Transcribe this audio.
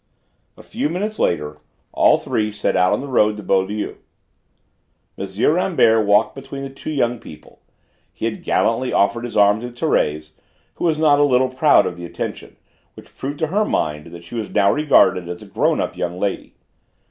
A few minutes later all three set out on the road to Beaulieu. M. Rambert walked between the two young people; he had gallantly offered his arm to Thérèse, who was not a little proud of the attention, which proved to her mind that she was now regarded as a grown up young lady.